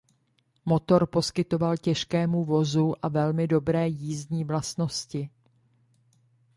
Motor poskytoval těžkému vozu a velmi dobré jízdní vlastnosti.